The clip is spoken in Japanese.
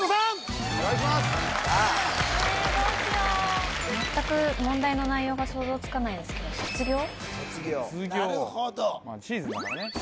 どうしよう全く問題の内容が想像つかないですけど卒業なるほどシーズンだからね